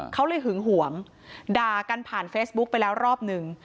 เขาเลยหึงหวงด่ากันผ่านเฟซบุ๊กไปแล้วรอบหนึ่ง